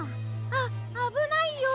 ああぶないよ。